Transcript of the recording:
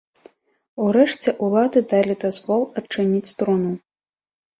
Урэшце ўлады далі дазвол адчыніць труну.